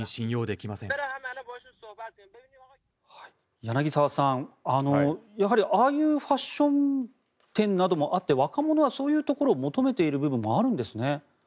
柳澤さん、やはりああいうファッション店などもあって若者はそういうところを求めている部分もあるんですね。